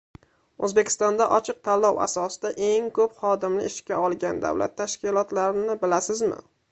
O‘zbekistonda ochiq tanlov asosida eng ko‘p xodimni ishga olgan davlat tashkilotlarni bilasizmi?